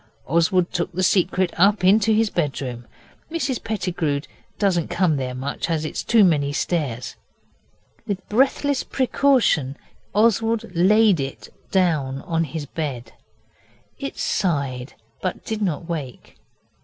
Oswald took the Secret up into his bedroom. Mrs Pettigrew doesn't come there much, it's too many stairs. With breathless precaution Oswald laid it down on his bed. It sighed, but did not wake.